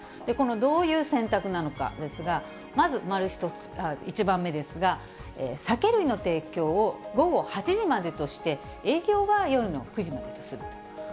このどういう選択なのかですが、まず１番目ですが、酒類の提供を午後８時までとして、営業は夜の９時までとすると。